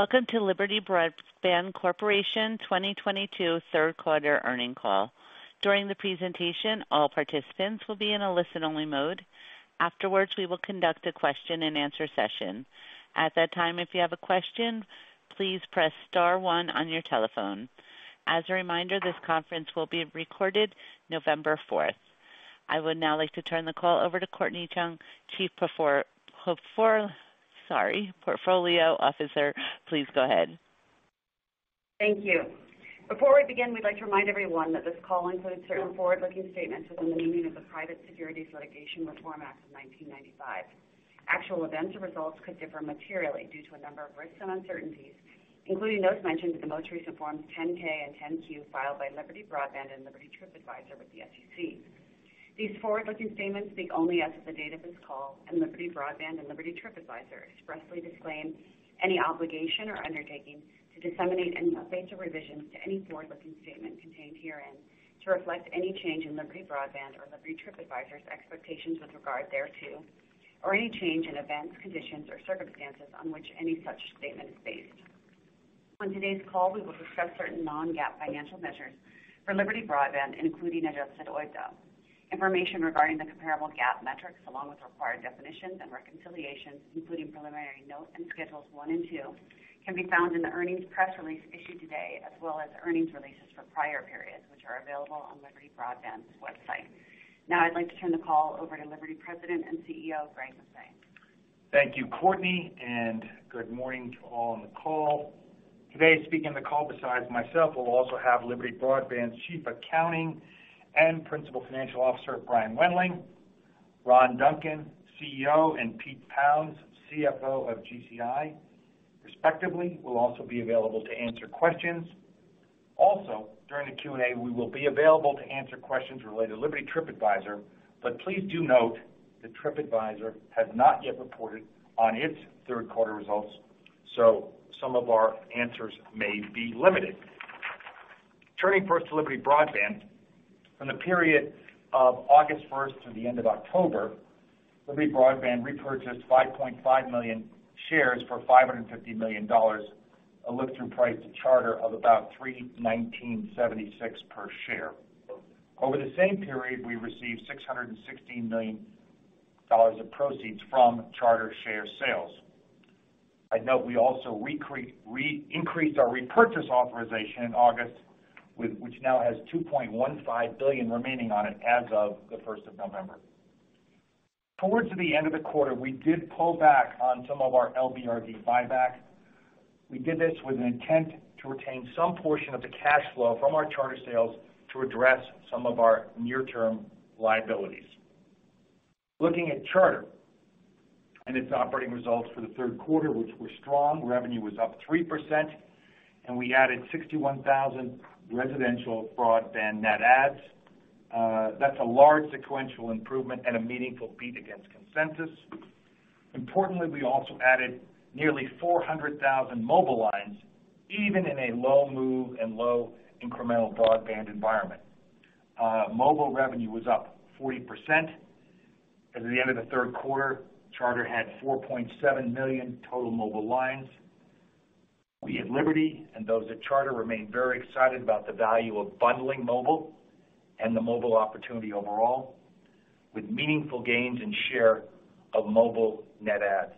Welcome to Liberty Broadband Corporation 2022 third quarter earnings call. During the presentation, all participants will be in a listen-only mode. Afterwards, we will conduct a question-and-answer session. At that time, if you have a question, please press star one on your telephone. As a reminder, this conference will be recorded, November fourth. I would now like to turn the call over to Courtnee Chun, Chief Portfolio Officer. Please go ahead. Thank you. Before we begin, we'd like to remind everyone that this call includes certain forward-looking statements within the meaning of the Private Securities Litigation Reform Act of 1995. Actual events or results could differ materially due to a number of risks and uncertainties, including those mentioned in the most recent forms 10-K and 10-Q filed by Liberty Broadband and Liberty TripAdvisor with the SEC. These forward-looking statements speak only as of the date of this call, and Liberty Broadband and Liberty TripAdvisor expressly disclaim any obligation or undertaking to disseminate any updates or revisions to any forward-looking statements contained herein to reflect any change in Liberty Broadband or Liberty TripAdvisor's expectations with regard thereto, or any change in events, conditions or circumstances on which any such statement is based. On today's call, we will discuss certain Non-GAAP financial measures for Liberty Broadband, including adjusted OIBDA. Information regarding the comparable GAAP metrics, along with required definitions and reconciliations, including preliminary notes and schedules one and two, can be found in the earnings press release issued today, as well as earnings releases for prior periods, which are available on Liberty Broadband's website. Now I'd like to turn the call over to Liberty President and CEO, Greg Maffei. Thank you, Courtnee, and good morning to all on the call. Today, speaking on the call besides myself, we'll also have Liberty Broadband's Chief Accounting and Principal Financial Officer, Brian Wendling. Ron Duncan, CEO, and Pete Pounds, CFO of GCI, respectively, will also be available to answer questions. Also, during the Q&A, we will be available to answer questions related to Liberty TripAdvisor. Please do note that TripAdvisor has not yet reported on its third quarter results, so some of our answers may be limited. Turning first to Liberty Broadband. From the period of August first to the end of October, Liberty Broadband repurchased 5.5 million shares for $550 million, a look through price to Charter of about 319.76 per share. Over the same period, we received $616 million of proceeds from Charter share sales. I'd note we also increased our repurchase authorization in August, which now has $2.15 billion remaining on it as of the first of November. Towards the end of the quarter, we did pull back on some of our LBRD buyback. We did this with an intent to retain some portion of the cash flow from our Charter sales to address some of our near-term liabilities. Looking at Charter and its operating results for the third quarter, which were strong, revenue was up 3%, and we added 61,000 residential broadband net adds. That's a large sequential improvement and a meaningful beat against consensus. Importantly, we also added nearly 400,000 mobile lines, even in a low move and low incremental broadband environment. Mobile revenue was up 40%. As of the end of the third quarter, Charter had 4.7 million total mobile lines. We at Liberty and those at Charter remain very excited about the value of bundling mobile and the mobile opportunity overall, with meaningful gains in share of mobile net adds.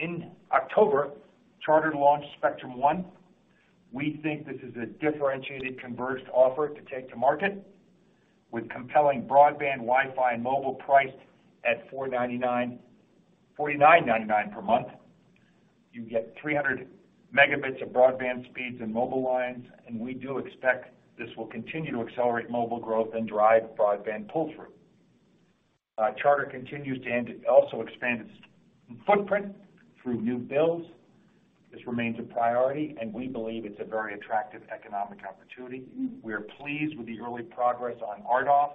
In October, Charter launched Spectrum One. We think this is a differentiated, converged offer to take to market with compelling broadband Wi-Fi and mobile price at $49.99 per month. You get 300 megabits of broadband speeds and mobile lines, and we do expect this will continue to accelerate mobile growth and drive broadband pull through. Charter continues to expand its footprint through new builds. This remains a priority, and we believe it's a very attractive economic opportunity. We are pleased with the early progress on RDOF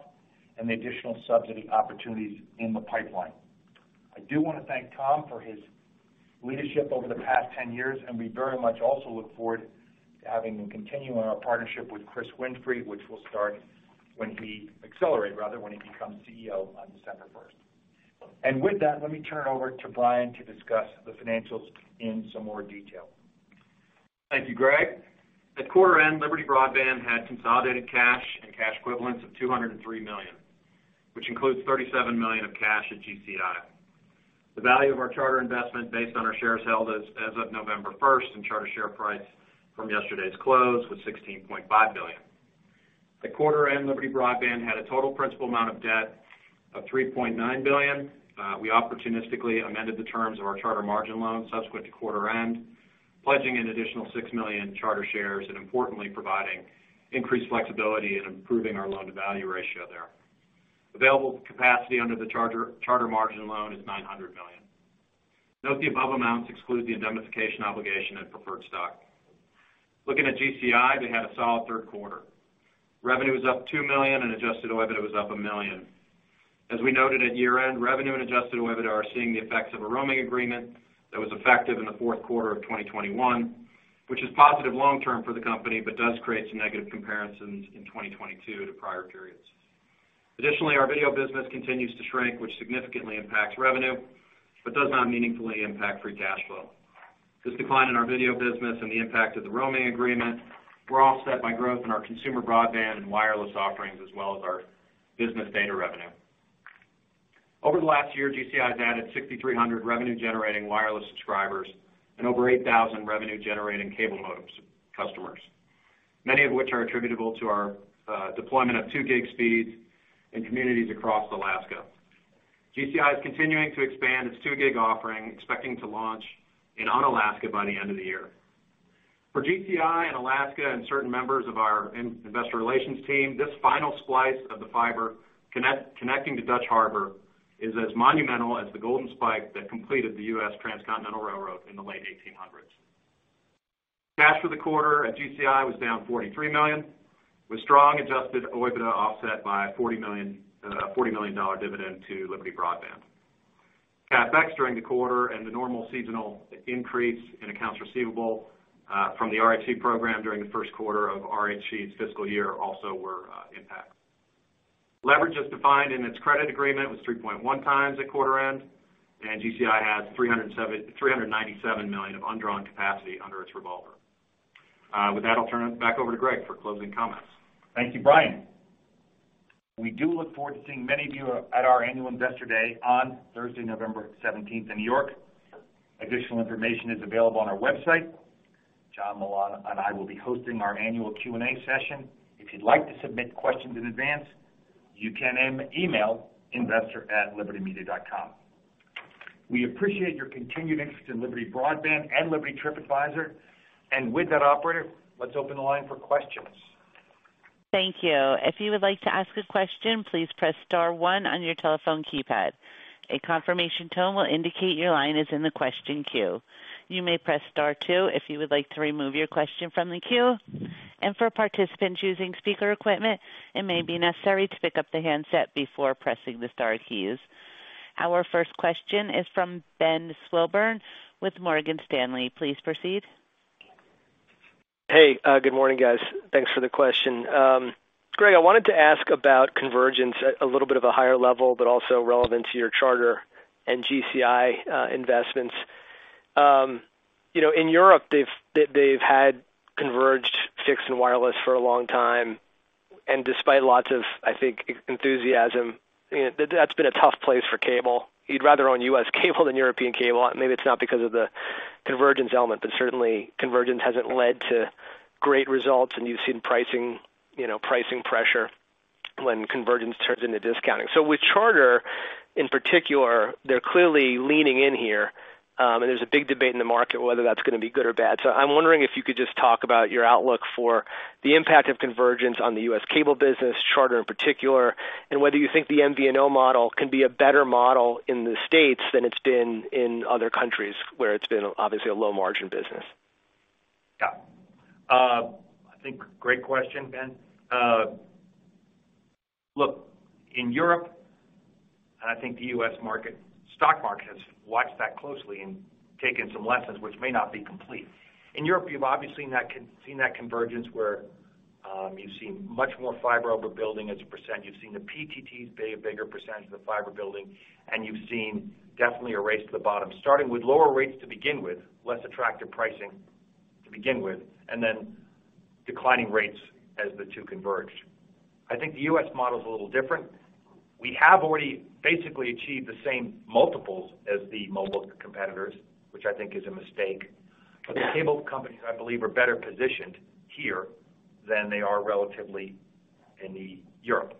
and the additional subsidy opportunities in the pipeline. I do wanna thank Tom for his leadership over the past 10 years, and we very much also look forward to having and continuing our partnership with Chris Winfrey, which will start when he becomes CEO on December first. With that, let me turn it over to Brian to discuss the financials in some more detail. Thank you, Greg. At quarter end, Liberty Broadband had consolidated cash and cash equivalents of $203 million, which includes $37 million of cash at GCI. The value of our Charter investment based on our shares held as of November first and Charter share price from yesterday's close was $16.5 billion. At quarter end, Liberty Broadband had a total principal amount of debt of $3.9 billion. We opportunistically amended the terms of our Charter margin loan subsequent to quarter end, pledging an additional six million Charter shares and importantly, providing increased flexibility in improving our loan-to-value ratio there. Available capacity under the Charter margin loan is $900 million. Note the above amounts exclude the indemnification obligation and preferred stock. Looking at GCI, they had a solid third quarter. Revenue was up $2 million and adjusted OIBDA was up $1 million. As we noted at year-end, revenue and adjusted OIBDA are seeing the effects of a roaming agreement that was effective in the fourth quarter of 2021, which is positive long term for the company, but does create some negative comparisons in 2022 to prior periods. Additionally, our video business continues to shrink, which significantly impacts revenue but does not meaningfully impact free cash flow. This decline in our video business and the impact of the roaming agreement were offset by growth in our consumer broadband and wireless offerings, as well as our business data revenue. Over the last year, GCI has added 6,300 revenue-generating wireless subscribers and over 8,000 revenue-generating cable modems customers, many of which are attributable to our deployment of 2 gig speeds in communities across Alaska. GCI is continuing to expand its two gig offering, expecting to launch in Unalaska by the end of the year. For GCI in Alaska and certain members of our investor relations team, this final splice of the fiber connecting to Dutch Harbor is as monumental as the golden spike that completed the U.S. transcontinental railroad in the late 1800s. Cash for the quarter at GCI was down $43 million, with strong adjusted OIBDA offset by $40 million dollar dividend to Liberty Broadband. CapEx during the quarter and the normal seasonal increase in accounts receivable from the RHC program during the first quarter of our fiscal year also were impact. Leverage, as defined in its credit agreement, was 3.1 times at quarter end, and GCI has $397 million of undrawn capacity under its revolver. With that, I'll turn it back over to Greg Maffei for closing comments. Thank you, Brian. We do look forward to seeing many of you at our annual investor day on Thursday, November seventeenth in New York. Additional information is available on our website. John Malone and I will be hosting our annual Q&A session. If you'd like to submit questions in advance, you can email investor@libertymedia.com. We appreciate your continued interest in Liberty Broadband and Liberty TripAdvisor. With that, operator, let's open the line for questions. Thank you. If you would like to ask a question, please press star one on your telephone keypad. A confirmation tone will indicate your line is in the question queue. You may press star two if you would like to remove your question from the queue. For participants using speaker equipment, it may be necessary to pick up the handset before pressing the star keys. Our first question is from Ben Swinburne with Morgan Stanley. Please proceed. Hey, good morning, guys. Thanks for the question. Greg, I wanted to ask about convergence at a little bit of a higher level, but also relevant to your Charter and GCI investments. You know, in Europe, they've had converged fixed and wireless for a long time. Despite lots of, I think, enthusiasm, you know, that's been a tough place for cable. You'd rather own US cable than European cable. Maybe it's not because of the convergence element, but certainly convergence hasn't led to great results, and you've seen pricing, you know, pricing pressure when convergence turns into discounting. With Charter in particular, they're clearly leaning in here, and there's a big debate in the market whether that's gonna be good or bad. I'm wondering if you could just talk about your outlook for the impact of convergence on the U.S. cable business, Charter in particular, and whether you think the MVNO model can be a better model in the States than it's been in other countries where it's been obviously a low margin business? Yeah. I think great question, Ben. Look, in Europe, I think the U.S. stock market has watched that closely and taken some lessons which may not be complete. In Europe, you've obviously seen that convergence where you've seen much more fiber overbuilding as a percent. You've seen the PTTs pay a bigger percentage of the fiber building, and you've seen definitely a race to the bottom, starting with lower rates to begin with, less attractive pricing to begin with, and then declining rates as the two converged. I think the U.S. model is a little different. We have already basically achieved the same multiples as the mobile competitors, which I think is a mistake. The cable companies, I believe, are better positioned here than they are relatively in Europe.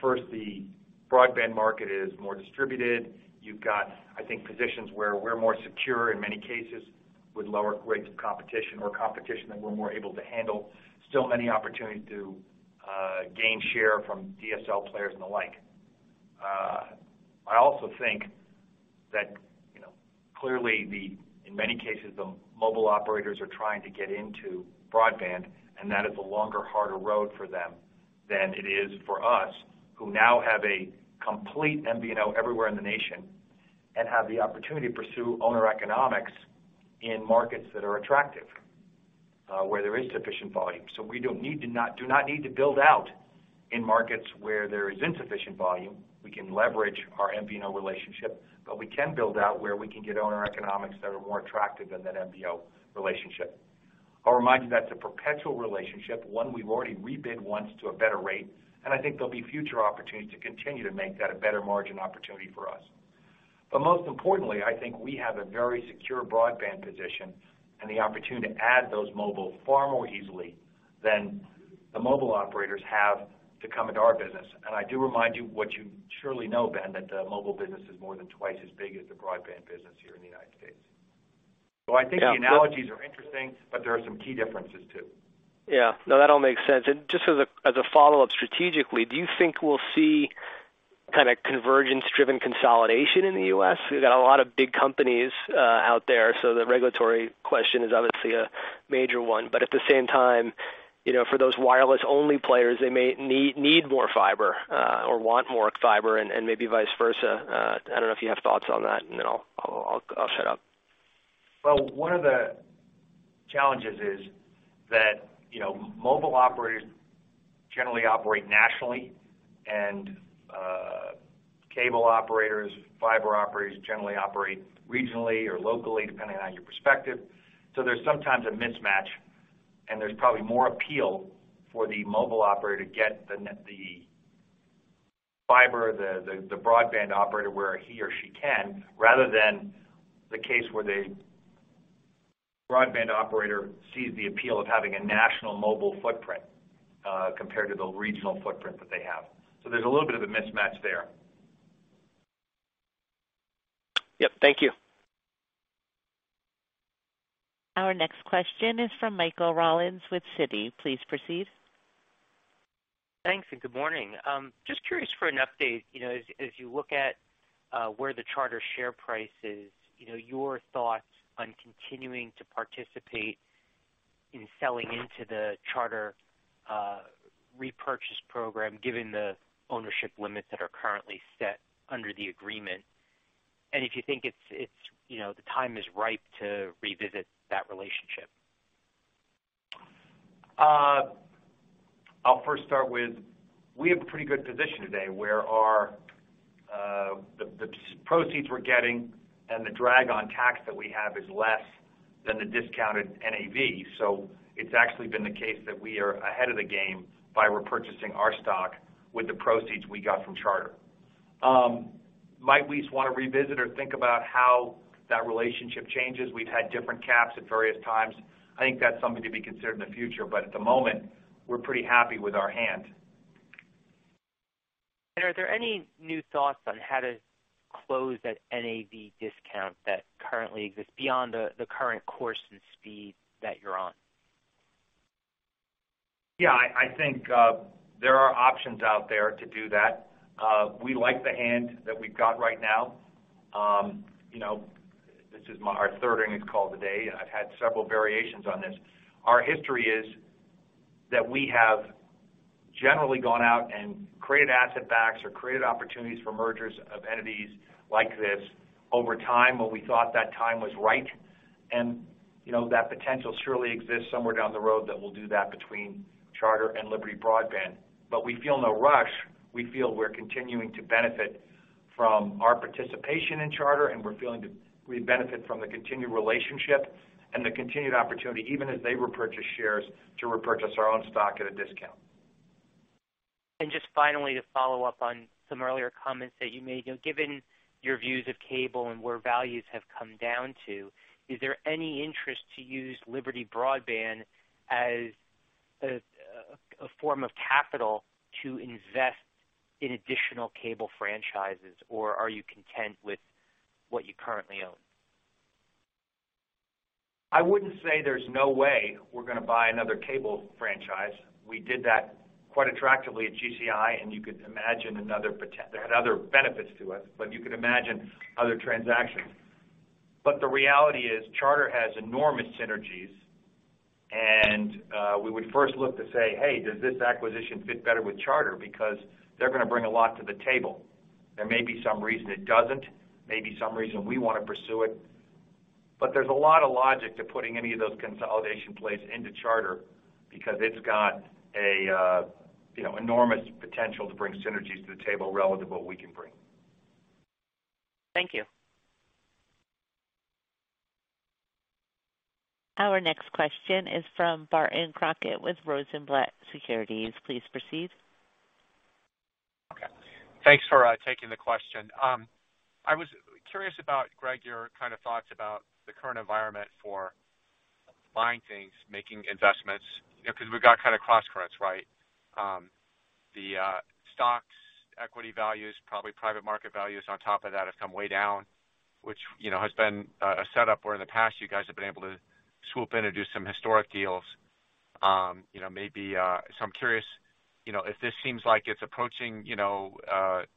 First, the broadband market is more distributed. You've got, I think, positions where we're more secure in many cases with lower rates of competition or competition that we're more able to handle. Still many opportunities to gain share from DSL players and the like. I also think that, you know, clearly the, in many cases, the mobile operators are trying to get into broadband, and that is a longer, harder road for them than it is for us, who now have a complete MVNO everywhere in the nation and have the opportunity to pursue owner economics in markets that are attractive, where there is sufficient volume. So we do not need to build out in markets where there is insufficient volume. We can leverage our MVNO relationship, but we can build out where we can get owner economics that are more attractive than that MVNO relationship. I'll remind you that's a perpetual relationship, one we've already rebid once to a better rate, and I think there'll be future opportunities to continue to make that a better margin opportunity for us. Most importantly, I think we have a very secure broadband position and the opportunity to add those mobile far more easily than the mobile operators have to come into our business. I do remind you what you surely know, Ben, that the mobile business is more than twice as big as the broadband business here in the United States. Yeah. I think the analogies are interesting, but there are some key differences, too. Yeah. No, that all makes sense. Just as a follow-up strategically, do you think we'll see kind of convergence driven consolidation in the US? We've got a lot of big companies out there, so the regulatory question is obviously a major one. But at the same time, you know, for those wireless only players, they may need more fiber or want more fiber and maybe vice versa. I don't know if you have thoughts on that, and then I'll shut up. Well, one of the challenges is that, you know, mobile operators generally operate nationally and, cable operators, fiber operators generally operate regionally or locally, depending on your perspective. There's sometimes a mismatch, and there's probably more appeal for the mobile operator to get the fiber, the broadband operator where he or she can, rather than the case where the broadband operator sees the appeal of having a national mobile footprint, compared to the regional footprint that they have. There's a little bit of a mismatch there. Yep. Thank you. Our next question is from Michael Rollins with Citi. Please proceed. Thanks, and good morning. Just curious for an update, you know, as you look at where the Charter share price is, you know, your thoughts on continuing to participate in selling into the Charter repurchase program, given the ownership limits that are currently set under the agreement. If you think it's you know the time is ripe to revisit that relationship. I'll first start with, we have a pretty good position today where our the proceeds we're getting and the drag on tax that we have is less than the discounted NAV. It's actually been the case that we are ahead of the game by repurchasing our stock with the proceeds we got from Charter. Might we want to revisit or think about how that relationship changes? We've had different caps at various times. I think that's something to be considered in the future, but at the moment, we're pretty happy with our hand. Are there any new thoughts on how to close that NAV discount that currently exists beyond the current course and speed that you're on? Yeah, I think there are options out there to do that. We like the hand that we've got right now. You know, this is our third earnings call today, and I've had several variations on this. Our history is that we have generally gone out and created asset backs or created opportunities for mergers of entities like this over time when we thought that time was right, and, you know, that potential surely exists somewhere down the road that we'll do that between Charter and Liberty Broadband. But we feel no rush. We feel we're continuing to benefit from our participation in Charter, and we benefit from the continued relationship and the continued opportunity, even as they repurchase shares to repurchase our own stock at a discount. Just finally, to follow up on some earlier comments that you made. You know, given your views of cable and where values have come down to, is there any interest to use Liberty Broadband as a form of capital to invest in additional cable franchises, or are you content with what you currently own? I wouldn't say there's no way we're gonna buy another cable franchise. We did that quite attractively at GCI, and you could imagine they had other benefits to us, but you could imagine other transactions. The reality is, Charter has enormous synergies, and we would first look to say, hey, does this acquisition fit better with Charter? Because they're gonna bring a lot to the table. There may be some reason it doesn't, may be some reason we wanna pursue it. There's a lot of logic to putting any of those consolidation plays into Charter because it's got a, you know, enormous potential to bring synergies to the table relative to what we can bring. Thank you. Our next question is from Barton Crockett with Rosenblatt Securities. Please proceed. Okay. Thanks for taking the question. I was curious about, Greg, your kind of thoughts about the current environment for buying things, making investments, you know, because we've got kind of cross currents, right? The stocks, equity values, probably private market values on top of that have come way down, which, you know, has been a setup where in the past you guys have been able to swoop in and do some historic deals. You know, maybe so I'm curious, you know, if this seems like it's approaching, you know, a situation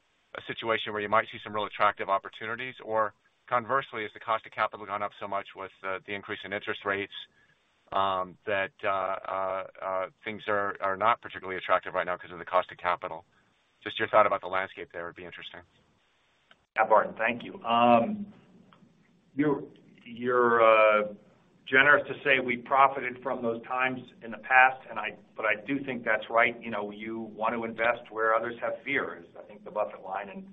where you might see some real attractive opportunities, or conversely, has the cost of capital gone up so much with the increase in interest rates, that things are not particularly attractive right now because of the cost of capital? Just your thought about the landscape there would be interesting. Yeah, Barton, thank you. You're generous to say we profited from those times in the past, but I do think that's right. You know, you want to invest where others have fear is, I think, the Buffett line, and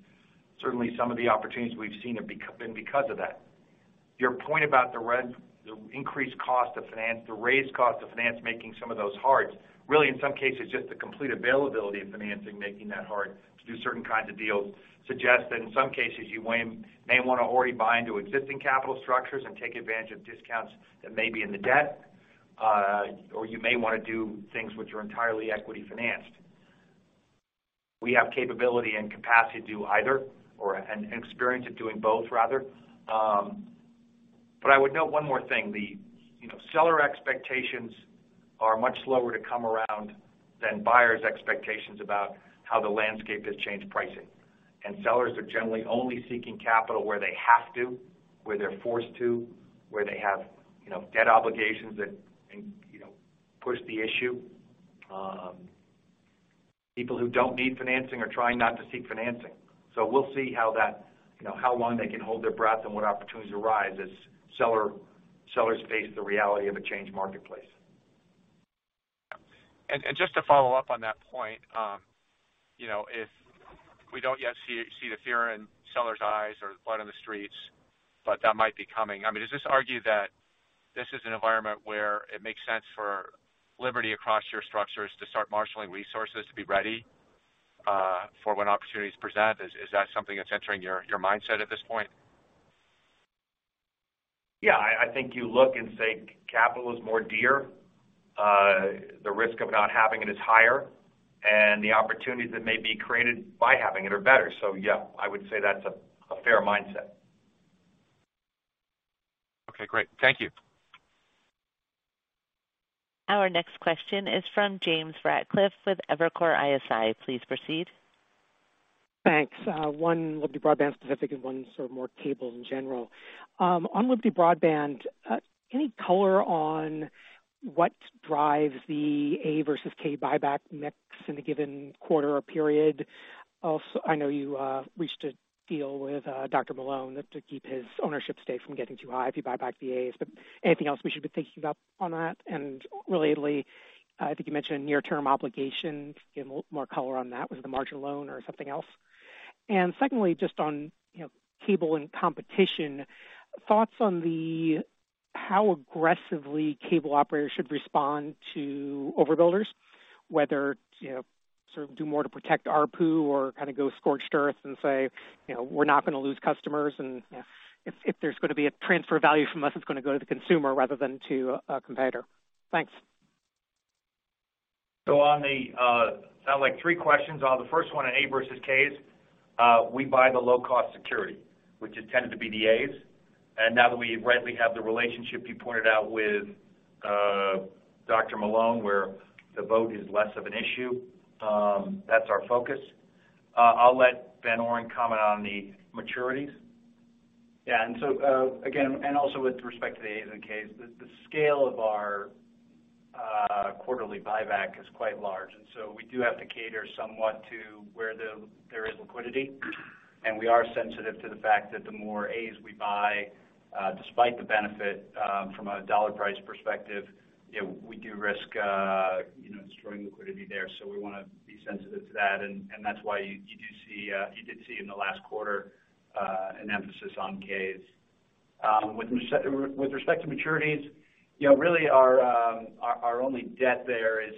certainly some of the opportunities we've seen have been because of that. Your point about the increased cost of finance, the raised cost of finance, making some of those hard, really in some cases, just the complete availability of financing, making that hard to do certain kinds of deals, suggests that in some cases you may wanna already buy into existing capital structures and take advantage of discounts that may be in the debt, or you may wanna do things which are entirely equity financed. We have capability and capacity to do either or, and experience of doing both rather. I would note one more thing. The you know, seller expectations are much slower to come around than buyers' expectations about how the landscape has changed pricing. Sellers are generally only seeking capital where they have to, where they're forced to, where they have, you know, debt obligations that, you know, push the issue. People who don't need financing are trying not to seek financing. We'll see how that, you know, how long they can hold their breath and what opportunities arise as sellers face the reality of a changed marketplace. Just to follow up on that point, you know, if we don't yet see the fear in sellers' eyes or blood in the streets, but that might be coming. I mean, does this argue that this is an environment where it makes sense for Liberty across your structures to start marshaling resources to be ready for when opportunities present? Is that something that's entering your mindset at this point? Yeah. I think you look and say capital is more dear. The risk of not having it is higher, and the opportunities that may be created by having it are better. Yeah, I would say that's a fair mindset. Okay, great. Thank you. Our next question is from James Ratcliffe with Evercore ISI. Please proceed. Thanks. One Liberty Broadband specific and one sort of more cable in general. On Liberty Broadband, any color on what drives the A versus K buyback mix in a given quarter or period? Also, I know you reached a deal with Dr. Malone to keep his ownership stake from getting too high if you buy back the As. But anything else we should be thinking about on that? And relatedly, I think you mentioned near-term obligations. Can you give a little more color on that? Was it the margin loan or something else? Secondly, just on, you know, cable and competition, thoughts on how aggressively cable operators should respond to overbuilders, whether to, you know, sort of do more to protect ARPU or kind of go scorched earth and say, you know, we're not gonna lose customers, and if there's gonna be a transfer value from us, it's gonna go to the consumer rather than to a competitor. Thanks. On the sounds like three questions. On the first one on A versus Ks, we buy the low cost security, which has tended to be the As. Now that we rightly have the relationship you pointed out with Dr. Malone, where the vote is less of an issue, that's our focus. I'll let Brian Wendling comment on the maturities. Yeah. Again, and also with respect to the As and Ks, the scale of our quarterly buyback is quite large, and we do have to cater somewhat to where there is liquidity. We are sensitive to the fact that the more As we buy, despite the benefit from a dollar price perspective, you know, we do risk destroying liquidity there. We wanna be sensitive to that, and that's why you did see in the last quarter an emphasis on Ks. With respect to maturities, you know, really our only debt there is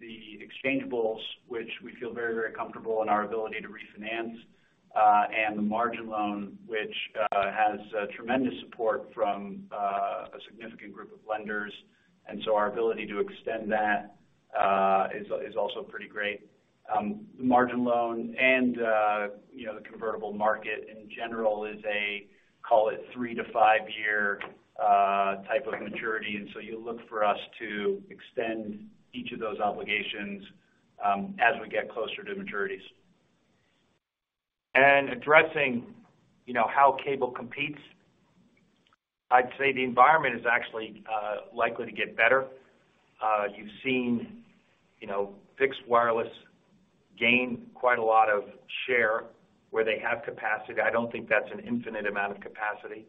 the exchangeables, which we feel very comfortable in our ability to refinance, and the margin loan, which has tremendous support from a significant group of lenders. Our ability to extend that is also pretty great. The margin loan and, you know, the convertible market in general is a three to fiveyear type of maturity. You'll look for us to extend each of those obligations as we get closer to maturities. Addressing, you know, how cable competes, I'd say the environment is actually likely to get better. You've seen, you know, fixed wireless gain quite a lot of share where they have capacity. I don't think that's an infinite amount of capacity.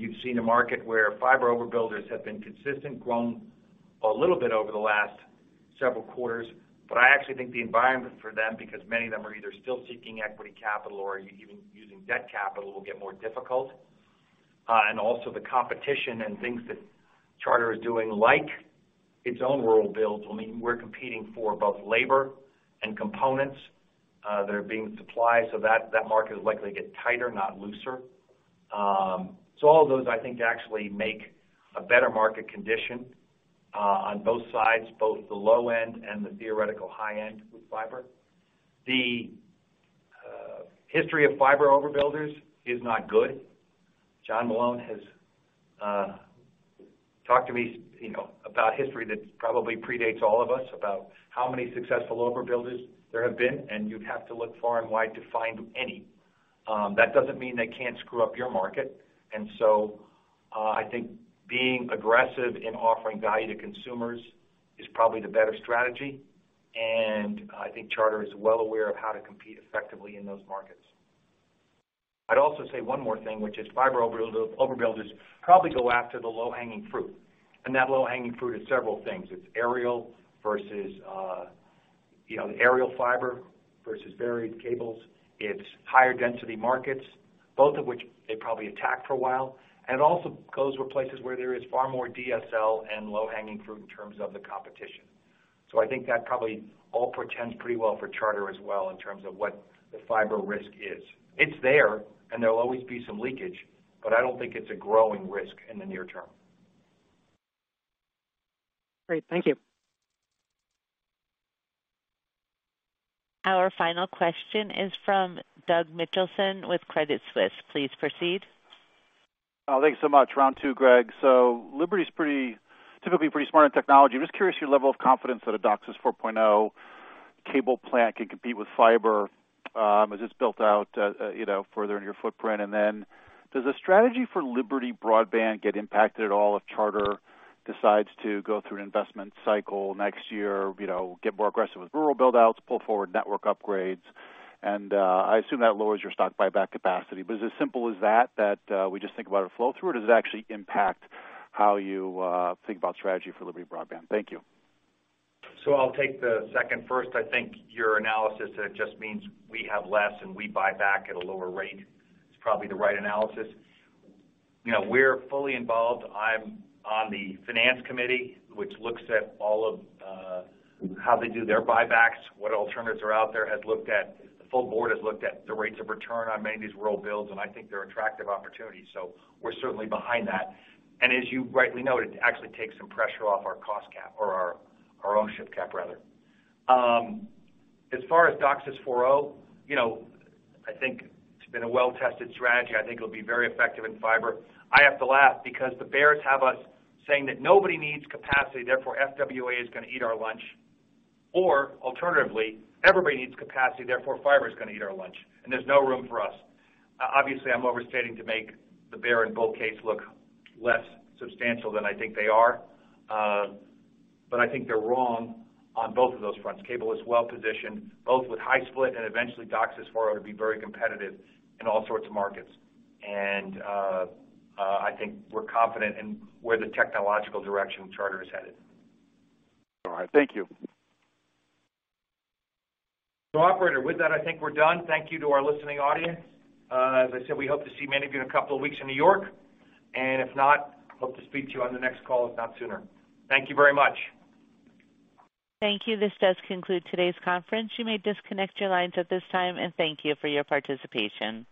You've seen a market where fiber overbuilders have been consistent, grown a little bit over the last several quarters. But I actually think the environment for them, because many of them are either still seeking equity capital or even using debt capital, will get more difficult. Also the competition and things that Charter is doing, like its own rural builds, will mean we're competing for both labor and components that are being supplied. That market is likely to get tighter, not looser. All of those I think actually make a better market condition, on both sides, both the low end and the theoretical high end with fiber. The history of fiber overbuilders is not good. John Malone has talked to me, you know, about history that probably predates all of us about how many successful overbuilders there have been, and you'd have to look far and wide to find any. That doesn't mean they can't screw up your market. I think being aggressive in offering value to consumers is probably the better strategy, and I think Charter is well aware of how to compete effectively in those markets. I'd also say one more thing, which is fiber overbuilders probably go after the low-hanging fruit, and that low-hanging fruit is several things. It's aerial versus, you know, the aerial fiber versus buried cables. It's higher density markets, both of which they probably attacked for a while. It also goes for places where there is far more DSL and low-hanging fruit in terms of the competition. I think that probably all portends pretty well for Charter as well in terms of what the fiber risk is. It's there, and there will always be some leakage, but I don't think it's a growing risk in the near term. Great. Thank you. Our final question is from Doug Mitchelson with Credit Suisse. Please proceed. Round two, Greg. Liberty's typically pretty smart in technology. I'm just curious your level of confidence that a DOCSIS 4.0 cable plant can compete with fiber, is this built out, you know, further in your footprint? Then does the strategy for Liberty Broadband get impacted at all if Charter decides to go through an investment cycle next year, you know, get more aggressive with rural build outs, pull forward network upgrades? I assume that lowers your stock buyback capacity, but is it as simple as that we just think about it flow through, or does it actually impact how you think about strategy for Liberty Broadband? Thank you. I'll take the second first. I think your analysis, it just means we have less, and we buy back at a lower rate. It's probably the right analysis. You know, we're fully involved. I'm on the finance committee, which looks at all of how they do their buybacks, what alternatives are out there. The full board has looked at the rates of return on many of these rural builds, and I think they're attractive opportunities. We're certainly behind that. As you rightly noted, it actually takes some pressure off our cost cap or our own share cap rather. As far as DOCSIS 4.0, you know, I think it's been a well-tested strategy. I think it'll be very effective in fiber. I have to laugh because the bears have us saying that nobody needs capacity, therefore FWA is gonna eat our lunch. Alternatively, everybody needs capacity, therefore fiber is gonna eat our lunch, and there's no room for us. Obviously, I'm overstating to make the bear and bull case look less substantial than I think they are. I think they're wrong on both of those fronts. Cable is well positioned, both with high-split and eventually DOCSIS 4.0 to be very competitive in all sorts of markets. I think we're confident in where the technological direction Charter is headed. All right. Thank you. Operator, with that, I think we're done. Thank you to our listening audience. As I said, we hope to see many of you in a couple of weeks in New York. If not, hope to speak to you on the next call, if not sooner. Thank you very much. Thank you. This does conclude today's conference. You may disconnect your lines at this time, and thank you for your participation.